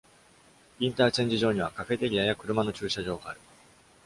インターチェンジ上には、カフェテリアや車の駐車場がある。